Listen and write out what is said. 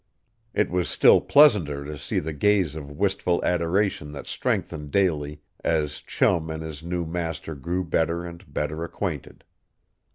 It was still pleasanter to see the gaze of wistful adoration that strengthened daily as Chum and his new master grew better and better acquainted.